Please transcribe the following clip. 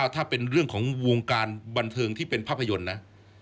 ถ้าเป็นเรื่องของวงการบันเทิงที่เป็นภาพยนตร์นะ